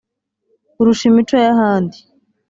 urusha imico y’ahandi